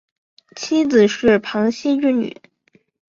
妻子是庞羲之女。